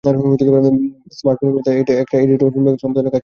Smart ফোনগুলোতে থাকা edit option ব্যবহার করেও সম্পাদনার কাজটি করা যেতে পারে।